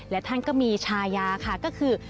และท่านก็มีชายาค่ะก็คือ